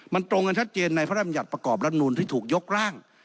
มันตรงกันชัดเจนในพระรำยัติประกอบรัฐนูลที่ถูกยกร่าง